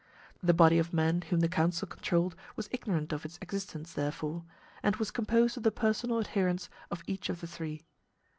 The body of men whom the council controlled was ignorant of its existence therefore, and was composed of the personal adherents of each of the three.